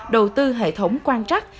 đầu tư hệ thống quan trắc